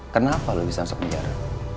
kenapa lo bisa masuk penjara